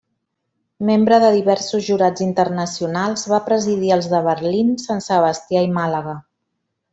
Membre de diversos jurats internacionals, va presidir els de Berlín, Sant Sebastià i Màlaga.